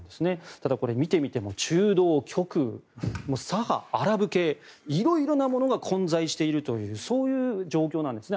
ただこれ、見てみても中道、極右、左派、アラブ系色々なものが混在しているというそういう状況なんですね